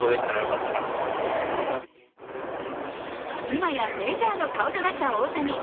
今やメジャーの顔となった大谷。